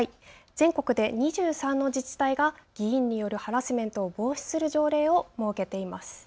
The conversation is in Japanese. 全国で２３の自治体が議員によるハラスメントを防止する条例を設けています。